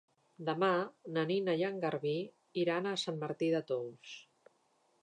Demà na Nina i en Garbí iran a Sant Martí de Tous.